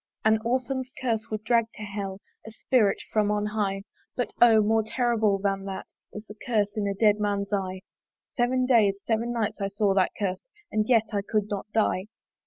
An orphan's curse would drag to Hell A spirit from on high: But O! more horrible than that Is the curse in a dead man's eye! Seven days, seven nights I saw that curse And yet I could not die.